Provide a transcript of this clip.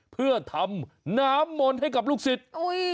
เพื่อทำน้ำมนต์ให้กับลูกศิษย์